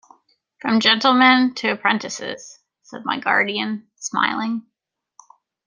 "From gentlemen to apprentices," said my guardian, smiling.